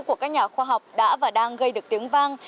của các nhà khoa học đã và đang gây được tiếng vang